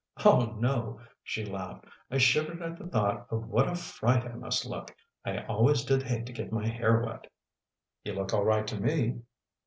"Oh, no," she laughed. "I shivered at the thought of what a fright I must look. I always did hate to get my hair wet." "You look all right to me."